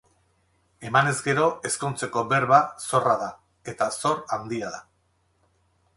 Emanez gero ezkontzeko berba, zorra da, eta zor handia da.